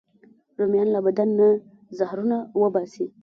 رومیان له بدن نه زهرونه وباسي